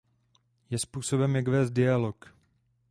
Je způsobem, jak vést dialog.